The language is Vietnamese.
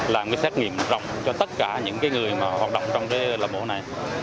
làm xét nghiệm rộng cho tất cả những người hoạt động trong lò mổ này